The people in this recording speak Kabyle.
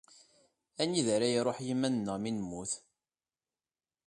Anida ara iṛuḥ yiman-nneɣ mi nemmut?